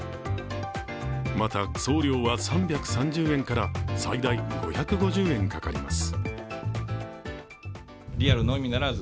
また送料は３３０円から最大５５０円かかります。